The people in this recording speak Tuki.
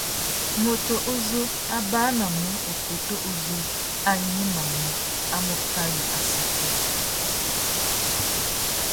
Mutu uzú a banamú ukutu uzú a nyêmêmú a mú kawi assôtô.